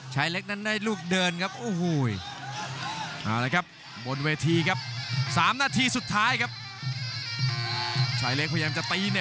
ชายเล็กได้ลูกเดินครับโอ้โห